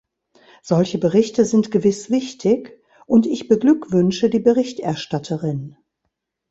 Solche Berichte sind gewiss wichtig, und ich beglückwünsche die Berichterstatterin.